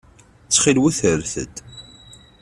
Ttxil-wet rret-d.